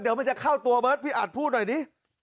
เดี๋ยวมันจะเข้าตัวเบิร์ตพี่อาจพูดหน่อยดิ